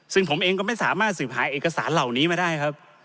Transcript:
ซึ่งผมเองก็ไม่สามารถสืบหาเอกสารเหล่านี้มาได้ครับ